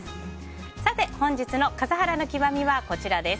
さて、本日の笠原の極みはこちらです。